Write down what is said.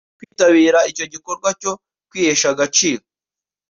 kwitabira icyo gikorwa cyo kwihesha agaciro